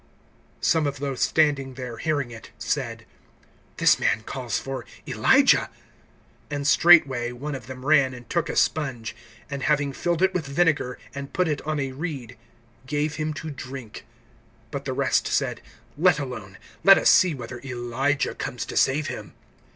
(47)Some of those standing there, hearing it, said: This man calls for Elijah[27:47]. (48)And straightway one of them ran and took a sponge, and having filled it with vinegar and put it on a reed, gave him to drink. (49)But the rest said: Let alone; let us see whether Elijah comes to save him.